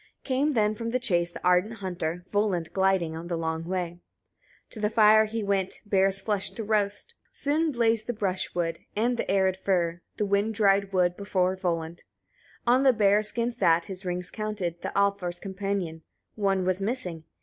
Came then from the chase the ardent hunter, Volund, gliding on the long way. 9. To the fire he went, bear's flesh to roast. Soon blazed the brushwood, and the arid fir, the wind dried wood, before Volund. 10. On the bearskin sat, his rings counted, the Alfar's companion: one was missing.